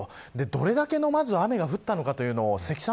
どれだけの雨が降ったのかというのを積算